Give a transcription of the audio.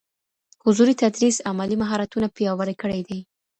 حضوري تدريس عملي مهارتونه پياوړي کړي دي.